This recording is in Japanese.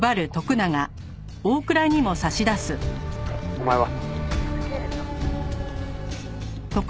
「お前は？」